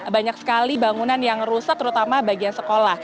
banyak sekali bangunan yang rusak terutama bagian sekolah